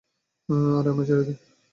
আরে, আমায় ছেড়ে দে।